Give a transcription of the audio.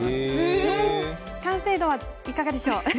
完成度はいかがでしょう。